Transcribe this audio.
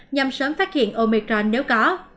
nhằm sớm phát hiện omicron nếu có